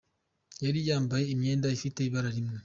Yari yambaye imyenda ifite ibara rimwe